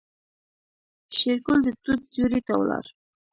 شېرګل د توت سيوري ته ولاړ.